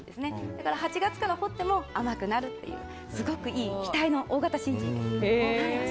だから８月からとっても甘くなるっていうすごくいい期待の大型新人です。